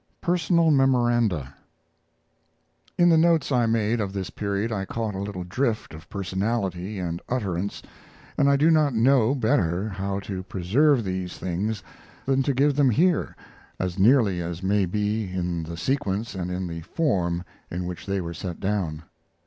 PERSONAL MEMORANDA In the notes I made of this period I caught a little drift of personality and utterance, and I do not know better how to preserve these things than to give them here as nearly as may be in the sequence and in the forth in which they were set down.